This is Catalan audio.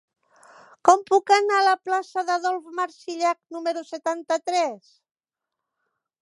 Com puc anar a la plaça d'Adolf Marsillach número setanta-tres?